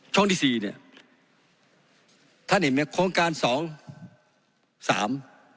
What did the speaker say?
ที่สี่เนี้ยท่านเห็นไหมโครงการสองสาม